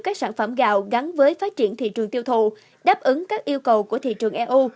các sản phẩm gạo gắn với phát triển thị trường tiêu thụ đáp ứng các yêu cầu của thị trường eu